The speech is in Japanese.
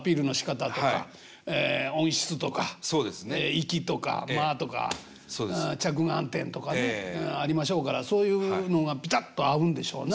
息とか間とか着眼点とかねありましょうからそういうのがピタッと合うんでしょうな。